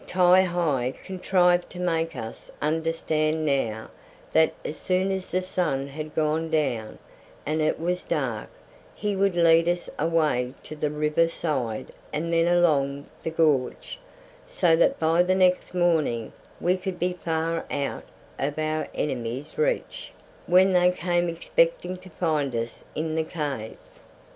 Ti hi contrived to make us understand now that as soon as the sun had gone down, and it was dark, he would lead us away to the river side and then along the gorge, so that by the next morning we could be far out of our enemies' reach, when they came expecting to find us in the cave.